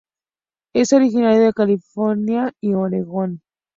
Es originario de California y Oregon.